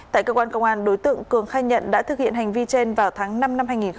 tại cơ quan công an đối tượng cường khai nhận đã thực hiện hành vi trên vào tháng năm năm hai nghìn hai mươi ba